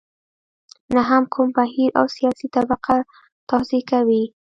نه هم کوم بهیر او سیاسي طبقه توضیح کوي.